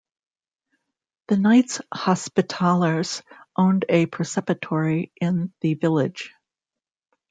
The Knights Hospitallers owned a preceptory in the village.